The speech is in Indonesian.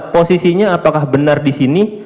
posisinya apakah benar di sini